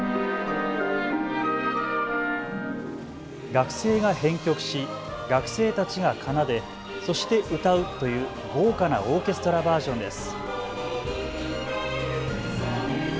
学生が編曲し学生たちが奏でそして歌うという豪華なオーケストラバージョンです。